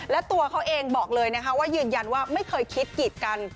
และตัวเขาเองบอกเลยนะคะว่ายืนยันว่าไม่เคยคิดกีดกัน